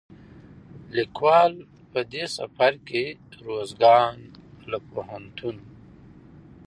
ليکوال په دې سفر کې روزګان له پوهنتون،